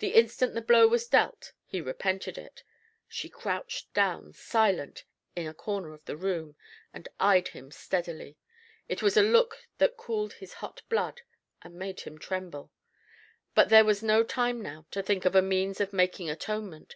The instant the blow was dealt he repented it. She crouched down, silent, in a corner of the room, and eyed him steadily; it was a look that cooled his hot blood and made him tremble. But there was no time now to think of a means of making atonement.